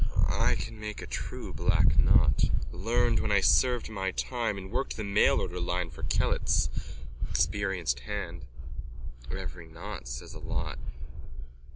_ I can make a true black knot. Learned when I served my time and worked the mail order line for Kellett's. Experienced hand. Every knot says a lot.